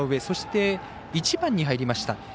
そして１番に入りました。